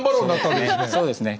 そうですね。